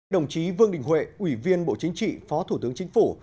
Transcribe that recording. đồng chí vương đình huệ ủy viên bộ chính trị phó thủ tướng chính phủ